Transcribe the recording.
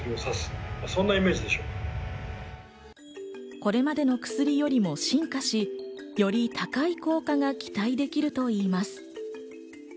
これまでの薬よりも進化し、より高い効果が期待できるといいます。